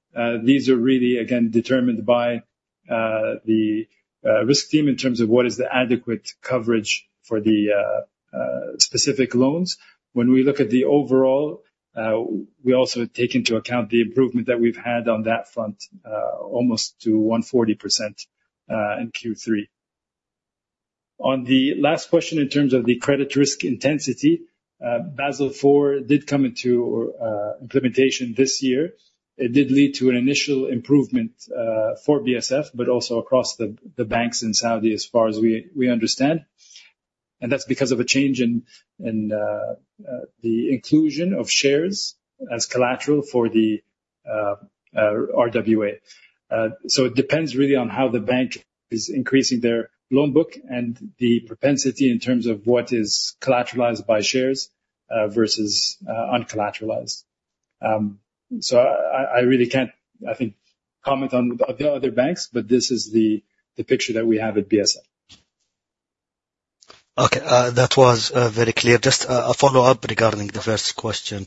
these are really, again, determined by the risk team in terms of what is the adequate coverage for the specific loans. When we look at the overall, we also take into account the improvement that we've had on that front, almost to 140% in Q3. On the last question, in terms of the credit risk intensity, Basel IV did come into implementation this year. It did lead to an initial improvement for BSF, but also across the banks in Saudi as far as we understand. That's because of a change in the inclusion of shares as collateral for the RWA. It depends really on how the bank is increasing their loan book and the propensity in terms of what is collateralized by shares versus uncollateralized. I really can't, I think, comment on the other banks, but this is the picture that we have at BSF. Okay. That was very clear. Just a follow-up regarding the first question.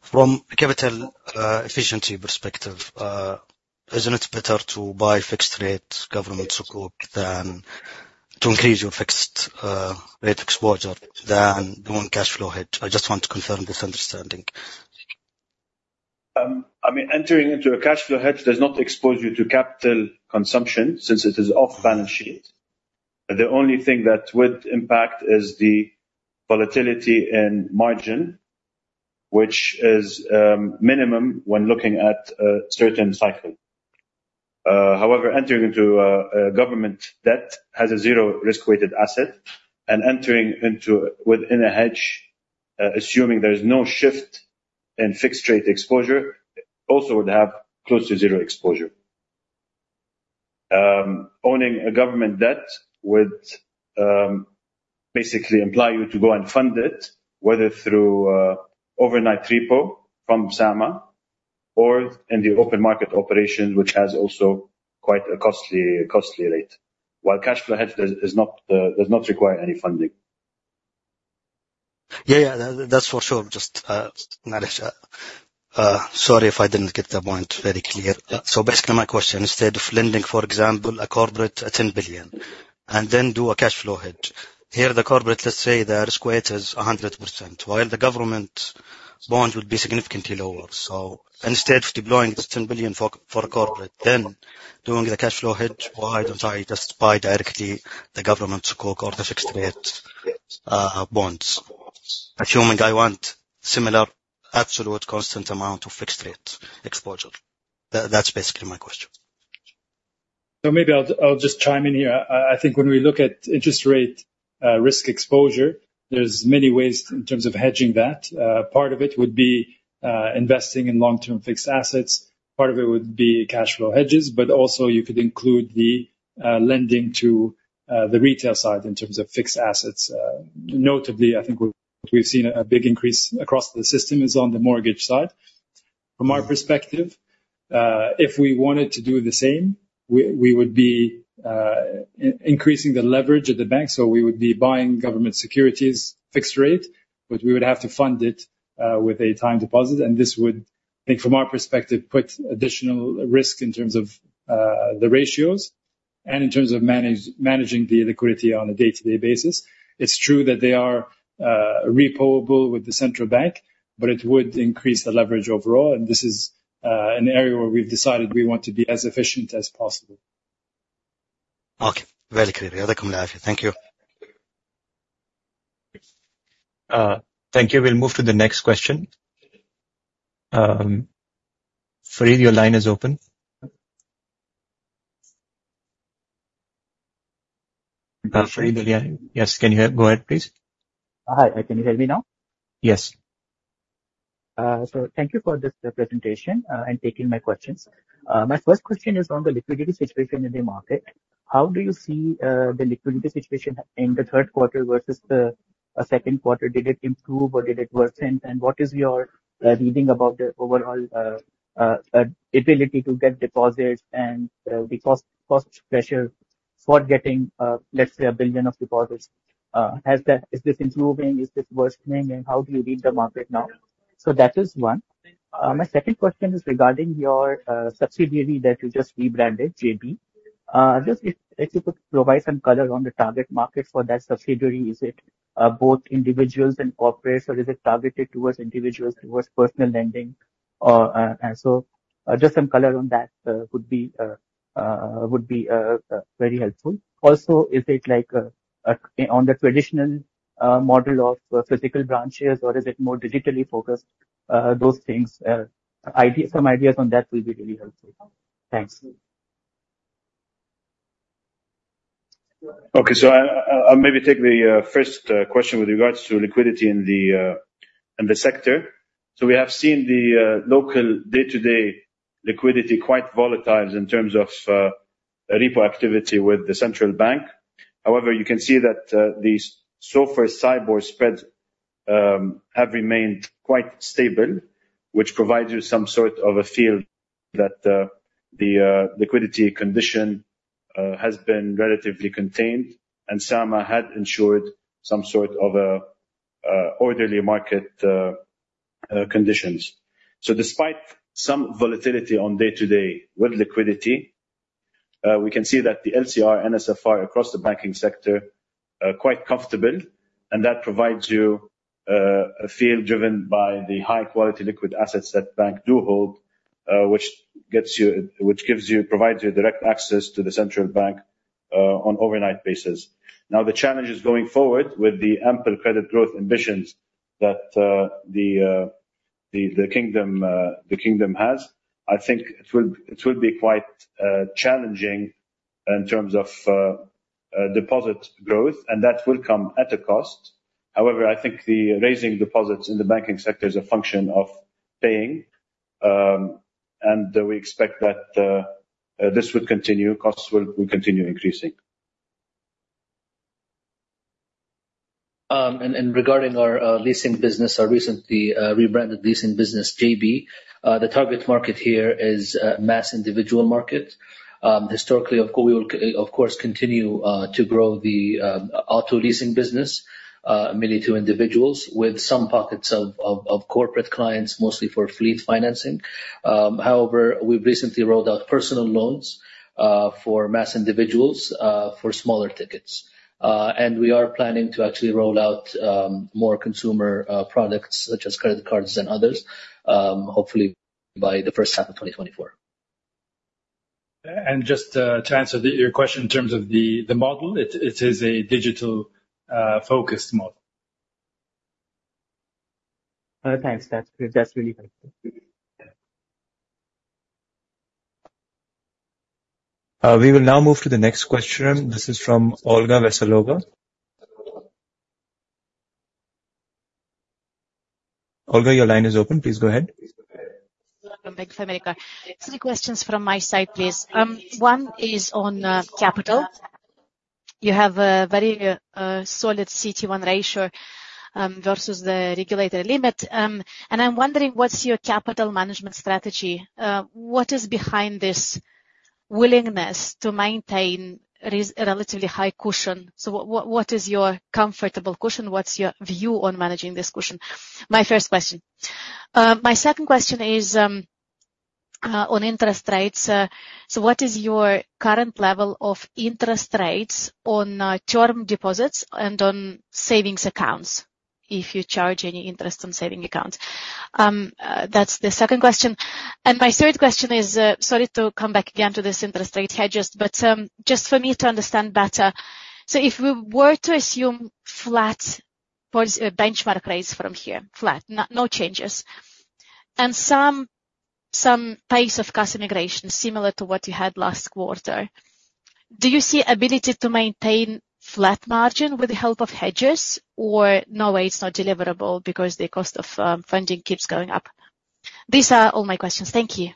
From a capital efficiency perspective, isn't it better to buy fixed rates government Sukuk than to increase your fixed rate exposure than doing cash flow hedge? I just want to confirm this understanding. Entering into a cash flow hedge does not expose you to capital consumption since it is off balance sheet. The only thing that would impact is the volatility in margin, which is minimum when looking at a certain cycle. However, entering into a government debt has a zero risk-weighted asset, and entering within a hedge, assuming there is no shift in fixed rate exposure, also would have close to zero exposure. Owning a government debt would basically imply you to go and fund it, whether through overnight repo from SAMA or in the open market operations, which has also quite a costly rate, while cash flow hedge does not require any funding. Yeah. That's for sure. Just managed that. Sorry if I didn't get the point very clear. Yeah. Basically my question, instead of lending, for example, a corporate 10 billion and then do a cash flow hedge. Here, the corporate, let's say, their risk weight is 100%, while the government bond would be significantly lower. Instead of deploying this 10 billion for corporate, then doing the cash flow hedge, why don't I just buy directly the government Sukuk or the fixed rate bonds? Assuming I want similar absolute constant amount of fixed rate exposure. That's basically my question. Maybe I'll just chime in here. I think when we look at interest rate risk exposure, there's many ways in terms of hedging that. Part of it would be investing in long-term fixed assets. Part of it would be cash flow hedges, but also you could include the lending to the retail side in terms of fixed assets. Notably, I think we've seen a big increase across the system is on the mortgage side. From our perspective, if we wanted to do the same, we would be increasing the leverage of the bank. We would be buying government securities fixed rate, but we would have to fund it with a time deposit. This would, I think from our perspective, put additional risk in terms of the ratios and in terms of managing the liquidity on a day-to-day basis. It's true that they are repo-able with the central bank, but it would increase the leverage overall, this is an area where we've decided we want to be as efficient as possible. Okay. Very clear. Thank you. Thank you. We'll move to the next question. Farid, your line is open. Farid, are you there? Yes, can you hear? Go ahead, please. Hi. Can you hear me now? Yes. Thank you for this presentation, and taking my questions. My first question is on the liquidity situation in the market. How do you see the liquidity situation in the third quarter versus the second quarter? Did it improve or did it worsen? What is your reading about the overall ability to get deposits and the cost pressure for getting, let's say, 1 billion of deposits? Is this improving? Is this worsening? How do you read the market now? That is one. My second question is regarding your subsidiary that you just rebranded, J-B. Just if you could provide some color on the target market for that subsidiary. Is it both individuals and corporates, or is it targeted towards individuals, towards personal lending? Just some color on that would be very helpful. Also, is it on the traditional model of physical branches, or is it more digitally focused? Those things. Some ideas on that will be really helpful. Thanks. Okay. I'll maybe take the first question with regards to liquidity in the sector. We have seen the local day-to-day liquidity quite volatile in terms of repo activity with the central bank. However, you can see that the SAIBOR CIBOR spreads have remained quite stable, which provides you some sort of a feel that the liquidity condition has been relatively contained, and SAMA had ensured some sort of orderly market conditions. Despite some volatility on day-to-day with liquidity, we can see that the LCR NSFR across the banking sector are quite comfortable, and that provides you a feel driven by the high-quality liquid assets that bank do hold, which provides you direct access to the central bank on overnight basis. The challenge is going forward with the ample credit growth ambitions that the Kingdom has. I think it will be quite challenging in terms of deposit growth, and that will come at a cost. However, I think the raising deposits in the banking sector is a function of paying, and we expect that this will continue, costs will continue increasing. Regarding our leasing business, our recently rebranded leasing business, J-B, the target market here is mass individual market. Historically, we will of course, continue to grow the auto leasing business, mainly to individuals with some pockets of corporate clients, mostly for fleet financing. However, we've recently rolled out personal loans for mass individuals, for smaller tickets. We are planning to actually roll out more consumer products such as credit cards and others, hopefully by the first half of 2024. Just to answer your question in terms of the model, it is a digital focused model. Thanks. That's really helpful. We will now move to the next question. This is from Olga Wesolowska. Olga, your line is open. Please go ahead. Olga, Bank of America. Three questions from my side, please. One is on capital. You have a very solid CET1 ratio, versus the regulated limit. I'm wondering what's your capital management strategy? What is behind this willingness to maintain a relatively high cushion? What is your comfortable cushion? What's your view on managing this cushion? My first question. My second question is on interest rates. What is your current level of interest rates on term deposits and on savings accounts, if you charge any interest on saving accounts? That's the second question. My third question is, sorry to come back again to this interest rate hedges, but just for me to understand better. If we were to assume flat benchmark rates from here, flat, no changes. Some pace of cost integration similar to what you had last quarter. Do you see ability to maintain flat margin with the help of hedges or no way it's not deliverable because the cost of funding keeps going up? These are all my questions. Thank you.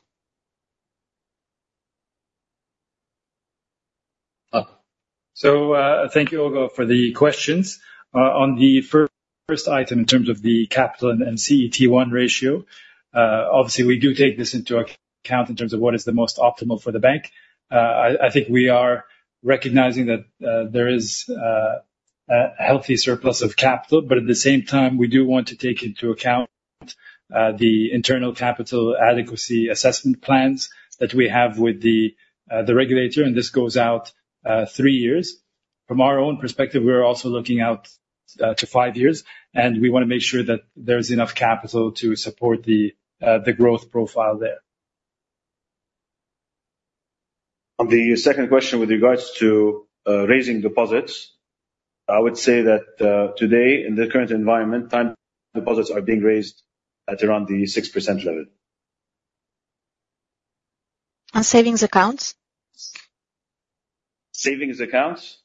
Thank you, Olga, for the questions. On the first item in terms of the capital and CET1 ratio, obviously we do take this into account in terms of what is the most optimal for the bank. I think we are recognizing that there is a healthy surplus of capital, but at the same time, we do want to take into account the internal capital adequacy assessment plans that we have with the regulator, and this goes out three years. From our own perspective, we're also looking out to five years, and we want to make sure that there's enough capital to support the growth profile there. On the second question with regards to raising deposits, I would say that today, in the current environment, time deposits are being raised at around the 6% level. Savings accounts? Savings accounts?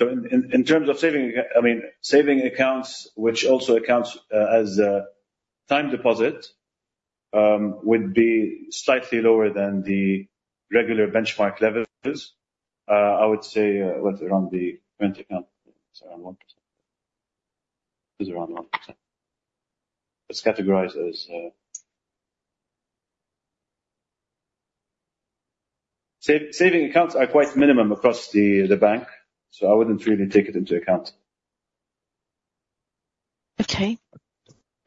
In terms of saving accounts, which also accounts as a time deposit, would be slightly lower than the regular benchmark levels. I would say around the current account, it's around 1%. Saving accounts are quite minimum across the bank, so I wouldn't really take it into account. Okay.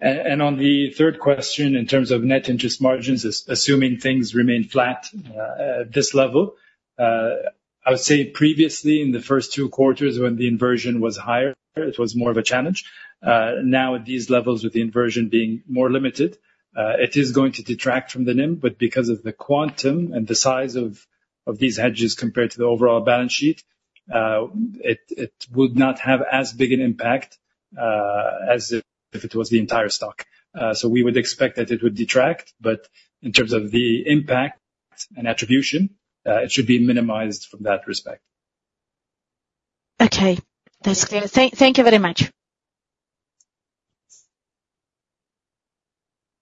On the third question, in terms of net interest margins, assuming things remain flat at this level, I would say previously in the first two quarters when the inversion was higher, it was more of a challenge. Now at these levels with the inversion being more limited, it is going to detract from the NIM, but because of the quantum and the size of these hedges compared to the overall balance sheet, it would not have as big an impact, as if it was the entire stock. We would expect that it would detract, but in terms of the impact and attribution, it should be minimized from that respect. Okay. That's clear. Thank you very much.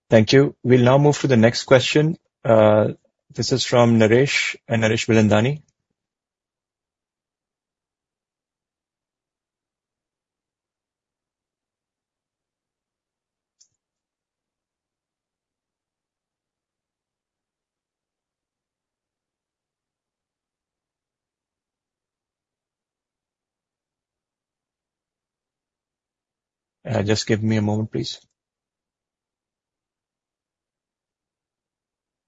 Thank you. We'll now move to the next question. This is from Naresh. Naresh Bilandani. Just give me a moment, please.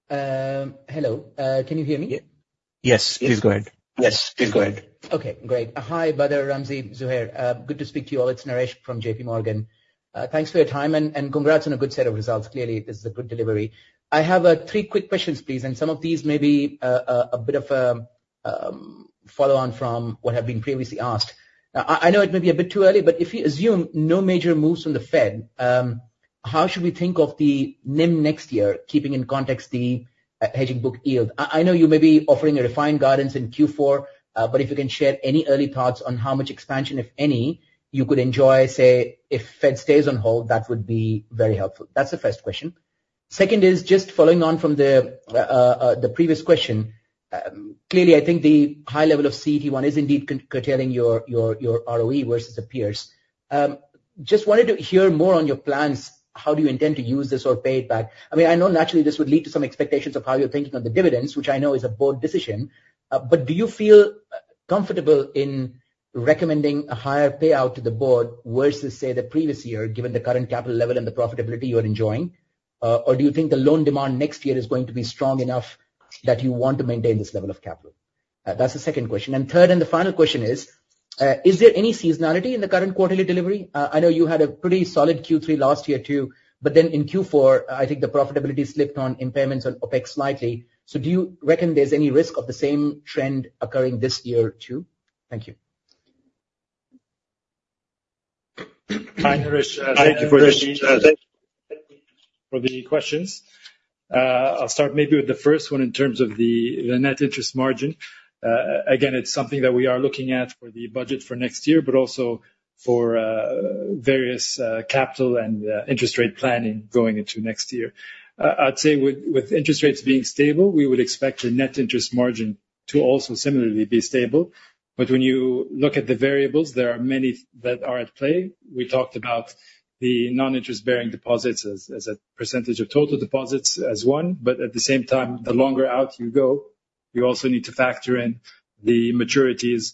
Hello. Can you hear me? Yes. Please go ahead. Yes. Please go ahead. Okay, great. Hi, Bader, Ramzy, Zoher. Good to speak to you all. It's Naresh from JPMorgan. Thanks for your time, and congrats on a good set of results. Clearly, this is a good delivery. I have three quick questions, please, and some of these may be a bit of a follow-on from what have been previously asked. I know it may be a bit too early, but if you assume no major moves from the Fed, how should we think of the NIM next year, keeping in context the hedging book yield? I know you may be offering a refined guidance in Q4, but if you can share any early thoughts on how much expansion, if any, you could enjoy, say, if Fed stays on hold, that would be very helpful. That's the first question. Second is just following on from the previous question. Clearly, I think the high level of CET1 is indeed curtailing your ROE versus the peers. Just wanted to hear more on your plans. How do you intend to use this or pay it back? I know naturally this would lead to some expectations of how you're thinking of the dividends, which I know is a bold decision. Do you feel comfortable in recommending a higher payout to the board versus, say, the previous year, given the current capital level and the profitability you are enjoying? Do you think the loan demand next year is going to be strong enough that you want to maintain this level of capital? That's the second question. Third, the final question is: Is there any seasonality in the current quarterly delivery? I know you had a pretty solid Q3 last year, too. In Q4, I think the profitability slipped on impairments on OpEx slightly. Do you reckon there's any risk of the same trend occurring this year, too? Thank you. Hi, Naresh. Thank you for the- Thank you for the questions. I'll start maybe with the first one in terms of the net interest margin. It's something that we are looking at for the budget for next year, but also for various capital and interest rate planning going into next year. I'd say with interest rates being stable, we would expect the net interest margin to also similarly be stable. When you look at the variables, there are many that are at play. We talked about the non-interest-bearing deposits as a percentage of total deposits as one. At the same time, the longer out you go, you also need to factor in the maturities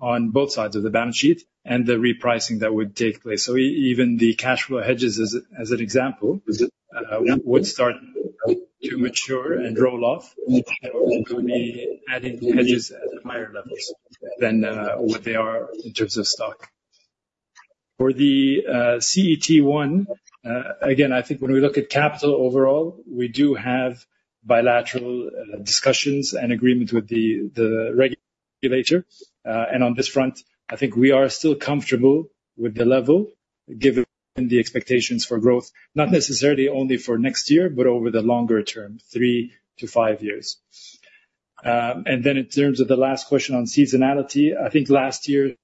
on both sides of the balance sheet and the repricing that would take place. Even the cash flow hedges, as an example, would start to mature and roll off adding hedges at higher levels than what they are in terms of stock. For the CET1, I think when we look at capital overall, we do have bilateral discussions and agreements with the regulator. On this front, I think we are still comfortable with the level given the expectations for growth. Not necessarily only for next year, but over the longer term, 3-5 years. In terms of the last question on seasonality, I think last year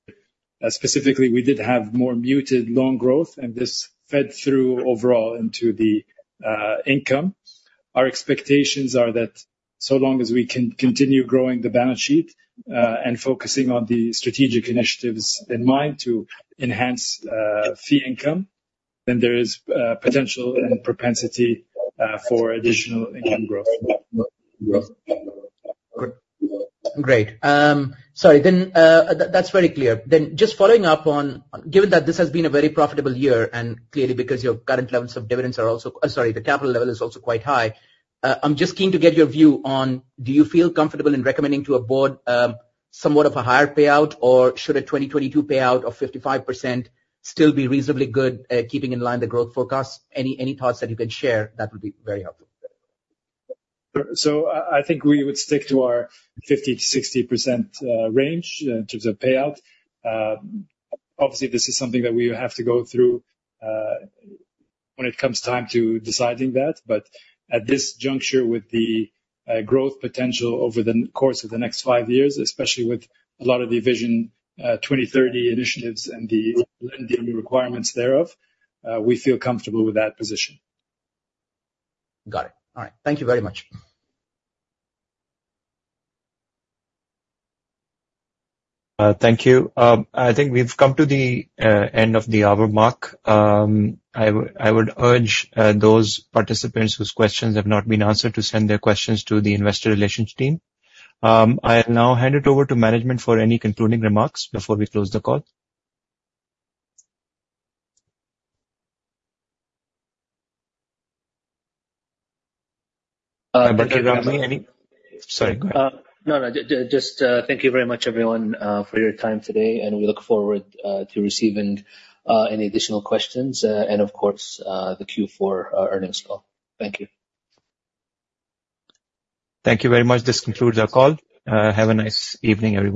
specifically, we did have more muted loan growth, and this fed through overall into the income. Our expectations are that so long as we can continue growing the balance sheet, and focusing on the strategic initiatives in mind to enhance fee income, then there is potential and propensity for additional income growth. Good. Great. Sorry, then. That's very clear. Just following up on, given that this has been a very profitable year and clearly because your current levels of dividends are also Sorry, the capital level is also quite high. I'm just keen to get your view on, do you feel comfortable in recommending to a board somewhat of a higher payout, or should a 2022 payout of 55% still be reasonably good, keeping in line the growth forecast. Any thoughts that you can share, that would be very helpful. I think we would stick to our 50%-60% range in terms of payout. Obviously, this is something that we have to go through when it comes time to deciding that. But at this juncture, with the growth potential over the course of the next five years, especially with a lot of the Vision 2030 initiatives and the requirements thereof, we feel comfortable with that position. Got it. All right. Thank you very much. Thank you. I think we've come to the end of the hour mark. I would urge those participants whose questions have not been answered to send their questions to the Investor Relations team. I'll now hand it over to management for any concluding remarks before we close the call. Bader, Ramzy, Sorry, go ahead. No, no. Just thank you very much, everyone, for your time today, we look forward to receiving any additional questions and, of course, the Q4 earnings call. Thank you. Thank you very much. This concludes our call. Have a nice evening, everyone.